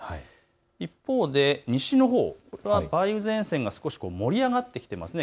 一方で西のほう、梅雨前線が少し盛り上がってきてますね。